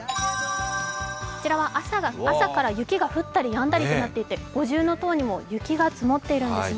こちらは朝から雪が降ったりやんだりとなっていて五重塔にも雪が積もっているんですね。